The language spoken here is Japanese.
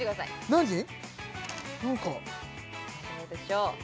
何かどうでしょう？